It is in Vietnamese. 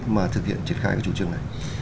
mà thực hiện triển khai của chủ trương này